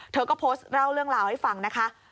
เธอก็โพสต์เล่าเรื่องราวให้ฟังนะคะ